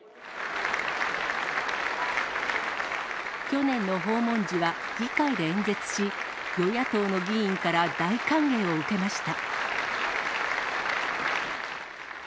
去年の訪問時は議会で演説し、与野党の議員から大歓迎を受けました。